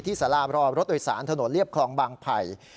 สารารอรถโดยสารถนนเรียบคลองบางไผ่